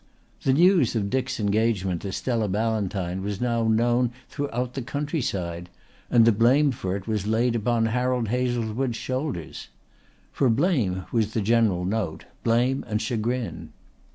The news of Dick's engagement to Stella Ballantyne was now known throughout the countryside and the blame for it was laid upon Harold Hazlewood's shoulders. For blame was the general note, blame and chagrin.